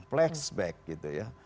flashback gitu ya